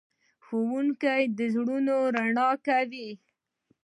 ښه ښوونکی زړونه رڼا کوي.